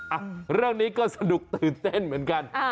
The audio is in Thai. อ่ะเรื่องนี้ก็สนุกตื่นเต้นเหมือนกัน